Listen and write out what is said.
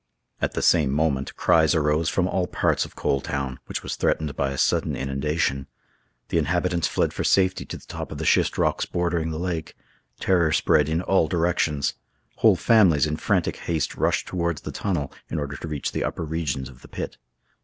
At the same moment, cries arose from all parts of Coal Town, which was threatened by a sudden inundation. The inhabitants fled for safety to the top of the schist rocks bordering the lake; terror spread in all directions; whole families in frantic haste rushed towards the tunnel in order to reach the upper regions of the pit.